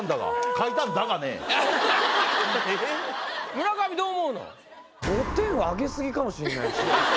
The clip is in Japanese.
村上どう思うの？